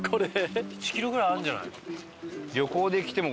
１キロぐらいあるんじゃないの？